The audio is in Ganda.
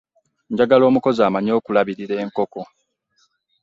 Njagala omukozi amanyi okulabirira enkoko.